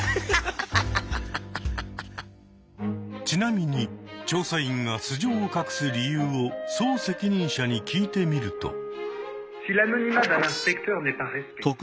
ちなみに調査員が素性を隠す理由を総責任者に聞いてみると。